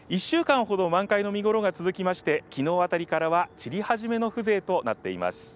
１週間ほど満開の見頃が続きまして、きのうあたりからは散り始めの風情となっています。